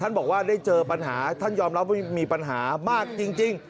บอกว่าได้เจอปัญหาท่านยอมรับว่ามีปัญหามากจริง